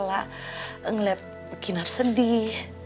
tante gak akan rela ngeliat kinar sedih